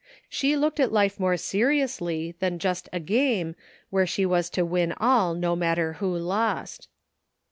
She looked at life more seriously than just a game where she was to win all no matter who lost.